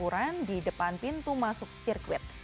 pengukuran di depan pintu masuk sirkuit